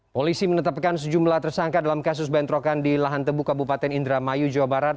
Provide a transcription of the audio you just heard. polisi menetapkan sejumlah tersangka dalam kasus bentrokan di lahan tebu kabupaten indramayu jawa barat